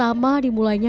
udah berdua lihat kan kan